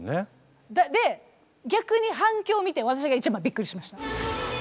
で逆に反響を見て私が一番びっくりしました。